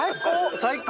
最高！